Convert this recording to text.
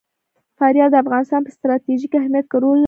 فاریاب د افغانستان په ستراتیژیک اهمیت کې رول لري.